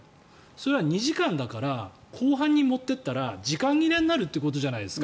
それは２時間だから後半に持っていったら時間切れになるということじゃないですか。